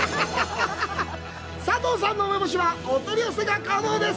佐藤さんの梅干しは、お取り寄せが可能です。